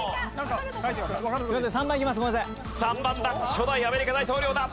初代アメリカ大統領だ。